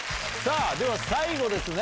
では最後ですね。